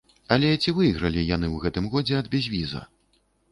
Але ці выйгралі яны ў гэтым годзе ад безвіза?